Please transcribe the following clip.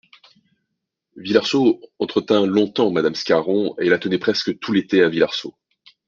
Villarceaux entretint longtemps Mme Scarron, et la tenait presque tout l'été à Villarceaux.